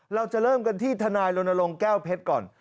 เราจะเริ่มกันที่ทนายรณรงค์แก้วเพชรก่อน